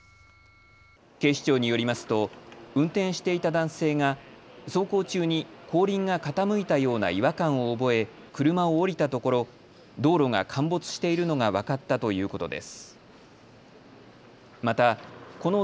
警視庁によりますと運転していた男性が走行中に後輪が傾いたような違和感を覚え、車を降りたところ道路が陥没しているのが分かったということです。